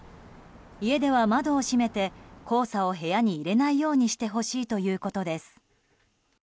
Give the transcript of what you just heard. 家では窓を閉めて黄砂を部屋に入れないようにしてほしいということです。